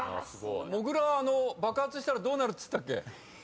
もぐら爆発したらどうなるっつったっけ？